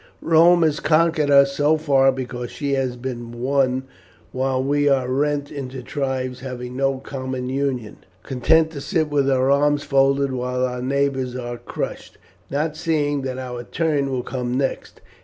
Rome has conquered us so far because she has been one while we are rent into tribes having no common union; content to sit with our arms folded while our neighbours are crushed, not seeing that our turn will come next.